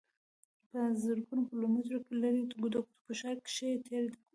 پۀ زرګونو کلومټره لرې د کوټې پۀ ښار کښې تير کړو